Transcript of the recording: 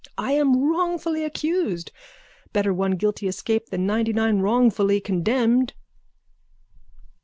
I am wrongfully accused. Better one guilty escape than ninetynine wrongfully condemned.